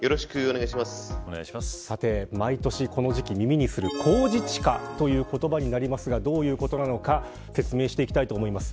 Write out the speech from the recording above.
さて、毎年この時期耳にする公示地価という言葉になりますがどういうことなのか説明していきたいと思います。